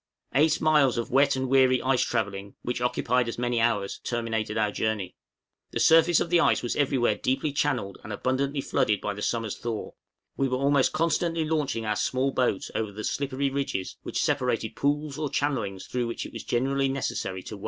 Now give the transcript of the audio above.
Eight miles of wet and weary ice travelling, which occupied as many hours, terminated our journey; the surface of the ice was everywhere deeply channelled and abundantly flooded by the summer's thaw; we were almost constantly launching our small boat over the slippery ridges which separated pools or channellings through which it was generally necessary to wade.